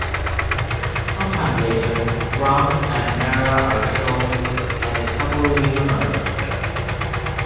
Some time later, Grant and Mera are shown as a couple living on Earth.